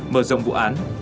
mở rộng vụ án